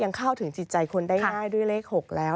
เข้าถึงจิตใจคนได้ง่ายด้วยเลข๖แล้ว